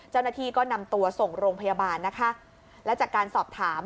เจ้าหน้าที่ก็นำตัวส่งโรงพยาบาลนะคะแล้วจากการสอบถาม